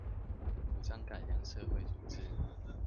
主張改良社會組織